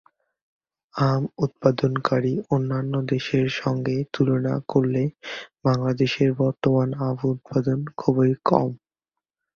আম উৎপাদনকারী অন্যান্য দেশের সঙ্গে তুলনা করলে বাংলাদেশের বর্তমান আম উৎপাদন খুব কম।